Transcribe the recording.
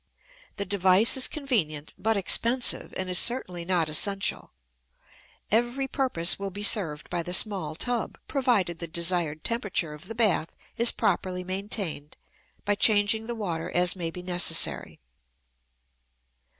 The device is convenient but expensive, and is certainly not essential. Every purpose will be served by the small tub, provided the desired temperature of the bath is properly maintained by changing the water as may be necessary.